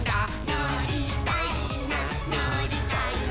「のりたいなのりたいな」